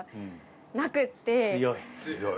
強い。